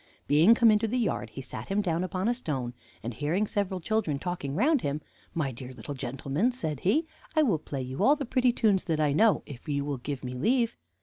Being come into the yard, he sat him down upon a stone, and, hearing several children talking round him, 'My dear little gentlemen,' said he, 'I will play you all the pretty tunes that I know, if you will give me leave.'